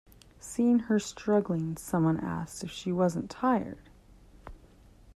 Seeing her struggling, someone asked if she wasn't tired.